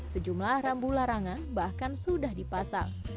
sejumlah rambu larangan bahkan sudah dipasang